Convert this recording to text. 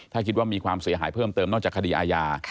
ถ้าคิดว่ามีความเสียหายเพิ่มเติมนอกจากคดีอาญา